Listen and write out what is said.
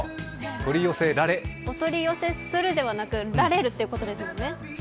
取り寄せ「られ」お取り寄せするではなく、られるということですよね。